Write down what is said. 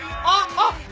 あっ！